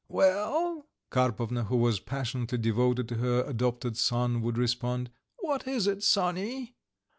"Well," Karpovna, who was passionately devoted to her adopted son, would respond: "What is it, sonny?"